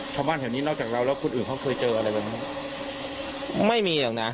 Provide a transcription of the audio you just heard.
ชาวบ้านแถวนี้นอกจากเราแล้วคนอื่นเขาเคยเจออะไรแบบนี้ไหมไม่มีหรอกนะ